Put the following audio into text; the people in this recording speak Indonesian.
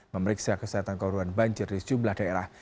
memeriksa kesehatan korban banjir di sejumlah daerah